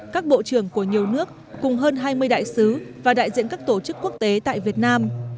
các bộ trưởng của nhiều nước cùng hơn hai mươi đại sứ và đại diện các tổ chức quốc tế tại việt nam